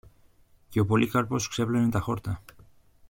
και ο Πολύκαρπος ξέπλενε τα χόρτα.